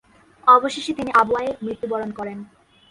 অবশেষে তিনি আবওয়ায় মৃত্যুবরণ করেন।